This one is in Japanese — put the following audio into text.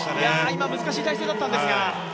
今難しい体勢だったんですが。